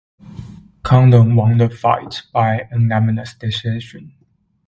Kondo won the fight by unanimous decision.